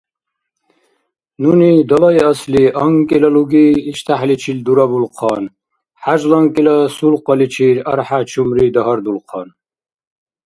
Нуни далайасли анкӀила луги иштяхӀличил дурабулхъан, хӀяжланкӀила сулкъаличир архӀя чурми дагьардулхъан.